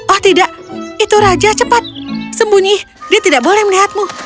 oh tidak itu raja cepat sembunyi dia tidak boleh melihatmu